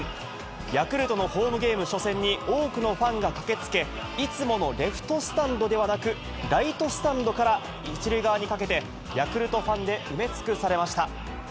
ヤクルトのホームゲーム初戦に多くのファンが駆けつけ、いつものレフトスタンドではなく、ライトスタンドから１塁側にかけて、ヤクルトファンで埋め尽くされました。